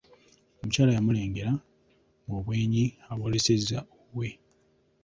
Omukyala yamulengera ng'obwenyi abw'olesezza wuwe.